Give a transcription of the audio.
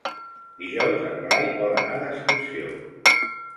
Dijous en Blai vol anar d'excursió.